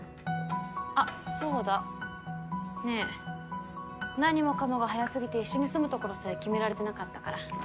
あそうだ。ねえ何もかもが早すぎて一緒に住む所さえ決められてなかったから。